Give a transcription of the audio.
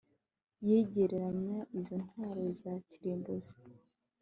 yegeranya izo ntwaro za kirimbuzi